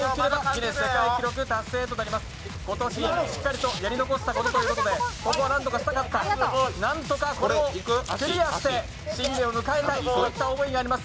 今年、やり残したことということでここは何とかしたかった、何とかこれをクリアして新年を迎えたいという思いがあります。